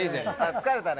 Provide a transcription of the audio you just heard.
疲れたね。